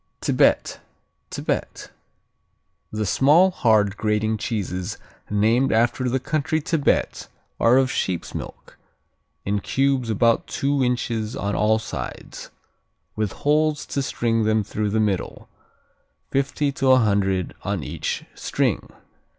Tibet Tibet The small, hard, grating cheeses named after the country Tibet, are of sheep's milk, in cubes about two inches on all sides, with holes to string them through the middle, fifty to a hundred on each string.